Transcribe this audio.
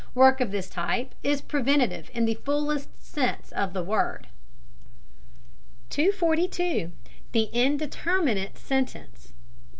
Work of this type is preventive in the fullest sense of the word. 242. THE INDETERMINATE SENTENCE.